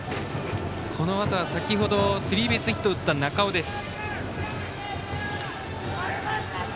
このあとは、先ほどスリーベースヒットを打った中尾です。